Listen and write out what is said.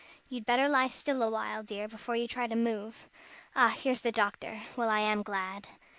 "You'd better lie still a while, dear, before you try to move. Ah, here's the doctor! well, I am glad."